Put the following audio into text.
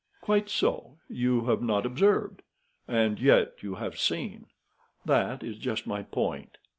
"Quite so! You have not observed. And yet you have seen. That is just my point.